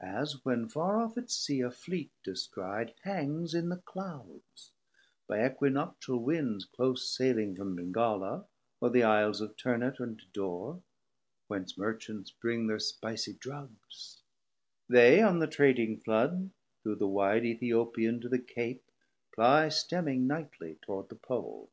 As when farr off at Sea a Fleet descri'd Hangs in the Clouds, by Aequinoctial Winds Close sailing from Bengala, or the Iles Of Ternate and Tidore, whence Merchants bring Thir spicie Drugs: they on the trading Flood 640 Through the wide Ethiopian to the Cape Ply stemming nightly toward the Pole.